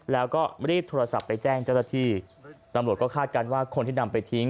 แล้วก็รีบโทรศัพท์ไปแจ้งเจ้าหน้าที่ตำรวจก็คาดการณ์ว่าคนที่นำไปทิ้ง